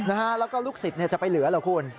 นะฮะแล้วก็ลูกศิษย์เนี้ยจะไปเหลือแล้วคุณ